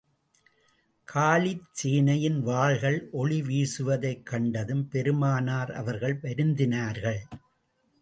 Khalid சேனையின் வாள்கள் ஒளி வீசுவதைக் கண்டதும், பெருமானார் அவர்கள் வருந்தினார்கள்.